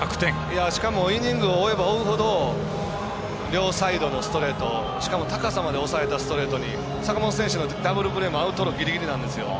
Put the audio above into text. しかも、イニングを追えば追うほど両サイドのストレートしかも高さまで抑えたストレートに坂本選手のダブルプレーもアウトローギリギリなんです。